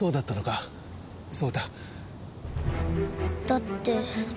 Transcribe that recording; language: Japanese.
だって。